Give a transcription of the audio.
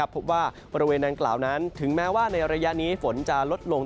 พบว่าบริเวณดังกล่าวนั้นถึงแม้ว่าในระยะนี้ฝนจะลดลง